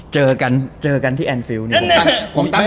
เจอกันที่แอนฟิลล์